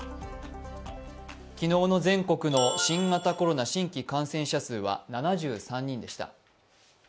昨日の全国の新型コロナ感染者数は７３人でした。